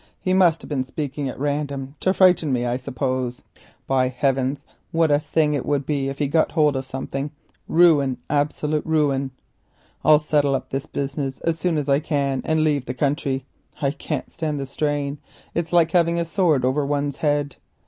He must have been speaking at random to frighten me, I suppose. By heaven! what a thing it would be if he had got hold of something. Ruin! absolute ruin! I'll settle up this business as soon as I can and leave the country; I can't stand the strain, it's like having a sword over one's head.